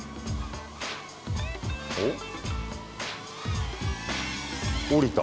おっ降りた。